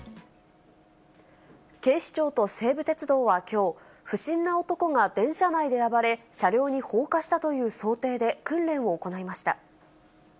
警視庁と西武鉄道はきょう、不審な男が電車内で暴れ、車両に放火したという想定で訓練を行いました。